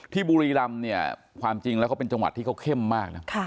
บุรีรำเนี่ยความจริงแล้วเขาเป็นจังหวัดที่เขาเข้มมากนะ